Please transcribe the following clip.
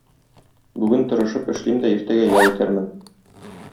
бүген тырышып эшлим дә иртәгә ял итәрмен.